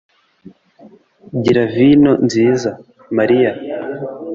gira vino nziza, mariya.